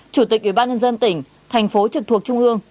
chủ tịch ủy ban nhân dân tỉnh thành phố trực thuộc trung ương